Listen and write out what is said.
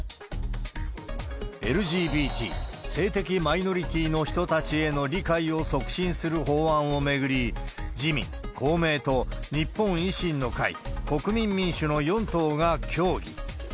ＬＧＢＴ・性的マイノリティーの人たちへの理解を促進する法案を巡り、自民、公明と、日本維新の会、国民民主の４党が協議。